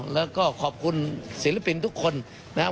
แล้วก็ขอบคุณศิลปินทุกคนนะครับ